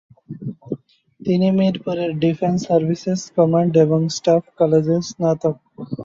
তিনি মিরপুরের defence services command এবং স্টাফ কলেজের স্নাতক।